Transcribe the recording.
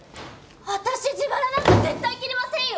私自腹なんか絶対切りませんよ！